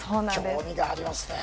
興味がありますねえ。